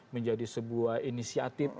menjadi sebuah inisiatif